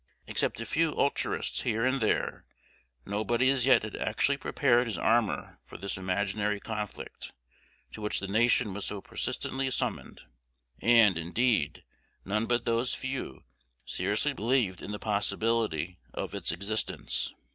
Except a few ultraists here and there, nobody as yet had actually prepared his armor for this imaginary conflict, to which the nation was so persistently summoned, and, indeed, none but those few seriously believed in the possibility of its existence.